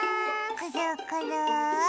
くるくる。